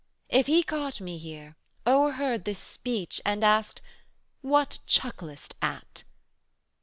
If He caught me here, O'erheard this speech, and asked, "What chucklest at?"